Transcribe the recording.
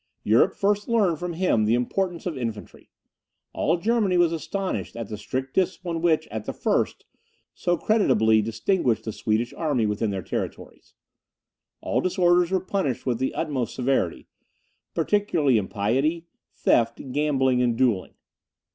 Europe first learned from him the importance of infantry. All Germany was astonished at the strict discipline which, at the first, so creditably distinguished the Swedish army within their territories; all disorders were punished with the utmost severity, particularly impiety, theft, gambling, and duelling.